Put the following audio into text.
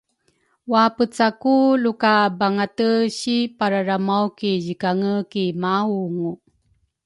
Waapeca ku luka bangate si pararamaw ki zikange ki maungu